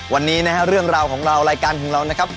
วันนี้นะฮะเรื่องราวของเรารายการของเรานะครับ